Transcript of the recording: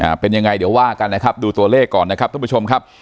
เป็นยังไงเดี๋ยวว่ากันนะครับดูตัวเลขก่อนนะครับท่านผู้ชมครับ